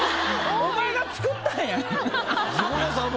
お前が作ったんやん。